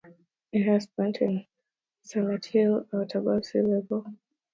The highest point in Roxbury is the summit Bassett Hill, at above sea level.